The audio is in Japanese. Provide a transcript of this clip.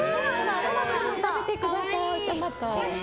食べてください、トマト。